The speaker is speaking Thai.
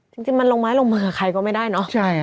จริงมันลงไม้ลงมือกับใครก็ไม่ได้เนอะ